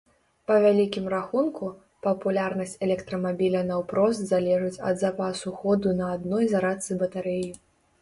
Па вялікім рахунку, папулярнасць электрамабіля наўпрост залежыць ад запасу ходу на адной зарадцы батарэі.